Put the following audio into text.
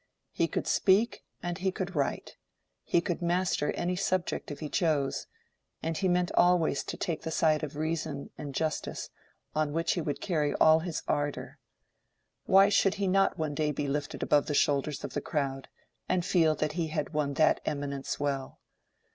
He could speak and he could write; he could master any subject if he chose, and he meant always to take the side of reason and justice, on which he would carry all his ardor. Why should he not one day be lifted above the shoulders of the crowd, and feel that he had won that eminence well?